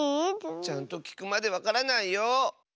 ちゃんときくまでわからないよ。